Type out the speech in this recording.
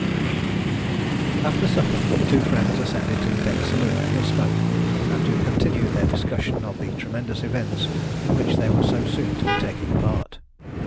After supper the two friends ascended to the deck saloon for a smoke, and to continue their discussion of the tremendous events in which they were so soon to be taking part.